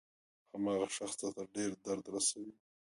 هماغه شخص درته ډېر درد رسوي.